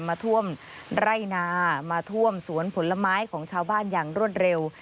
มาท่วมไร่นามาท่วมสวนผลไม้ของชาวบ้านอย่างรวดเร็ว